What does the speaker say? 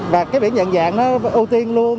và cái biển nhận dạng nó ưu tiên luôn